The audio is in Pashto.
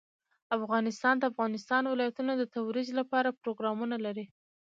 افغانستان د د افغانستان ولايتونه د ترویج لپاره پروګرامونه لري.